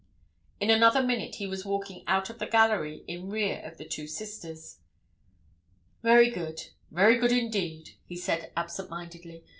In another minute he was walking out of the gallery in rear of the two sisters. "Very good—very good, indeed," he said, absent mindedly.